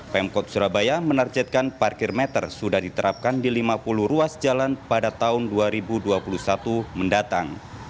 pemkot surabaya menarjetkan parkir meter sudah diterapkan di lima puluh ruas jalan pada tahun dua ribu dua puluh satu mendatang